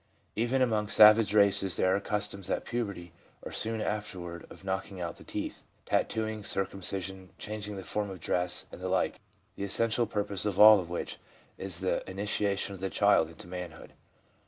Even among savage races there are customs at puberty or soon afterward of knocking out the teeth, tattooing, circumcision, changing the form of dress, and the like, the essential purpose of all of which is the initiation of the child into manhood.